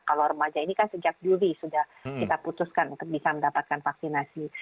kalau remaja ini kan sejak juli sudah kita putuskan untuk bisa mendapatkan vaksinasi